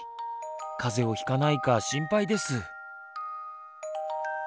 風邪をひかないか心配です。